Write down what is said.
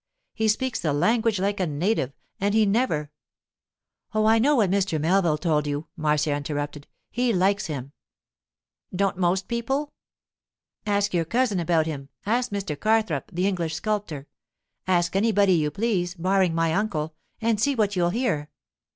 He speaks the language like a native, and he never——' 'Oh, I know what Mr. Melville told you,' Marcia interrupted. 'He likes him.' 'Don't most people?' 'Ask your cousin about him. Ask Mr. Carthrope, the English sculptor. Ask anybody you please—barring my uncle—and see what you'll hear.